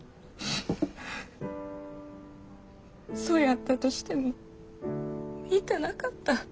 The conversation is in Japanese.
そやったとしても見たなかった。